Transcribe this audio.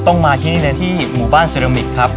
มาที่นี่เลยที่หมู่บ้านเซรามิกครับ